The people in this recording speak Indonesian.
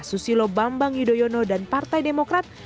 susilo bambang yudhoyono dan partai demokrat